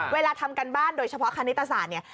เวลาทำการบ้านโดยเฉพาะคณิตศาสตร์เนี่ย